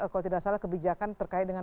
kalau tidak salah kebijakan terkait dengan